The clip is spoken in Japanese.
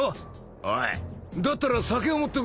おいだったら酒を持ってこい。